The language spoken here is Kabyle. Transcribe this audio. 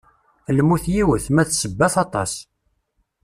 Lmut yiwet, ma d ssebbat aṭas.